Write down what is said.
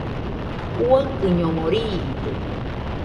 Uaikɨñomo riide.